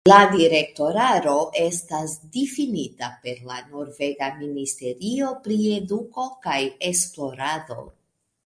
La direktoraro estas difinita per la norvega ministerio pri eduko kaj esplorado.